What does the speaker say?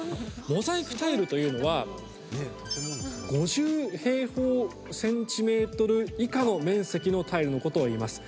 モザイクタイルというのは５０平方ｃｍ以下の面積のタイルのことをいいます。